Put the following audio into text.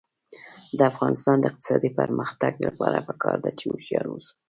د افغانستان د اقتصادي پرمختګ لپاره پکار ده چې هوښیار اوسو.